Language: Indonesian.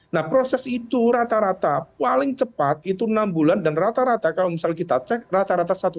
nah proses itu rata rata paling cepat itu enam bulan dan rata rata kalau misalnya kita cek rata rata satu